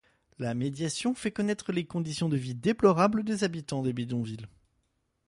La médiatisation fait connaître les conditions de vie déplorables des habitants des bidonvilles.